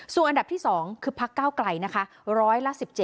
ส่วนอันดับที่๒คือภักดิ์ก้าวไกลร้อยละ๑๗